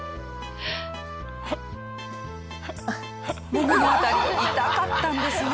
ももの辺り痛かったんですね。